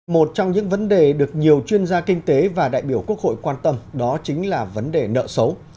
một trong những vấn đề được nhiều chuyên gia kinh tế và đại biểu quốc hội quan tâm đó chính là vấn đề nợ xấu